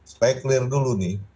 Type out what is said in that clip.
supaya clear dulu nih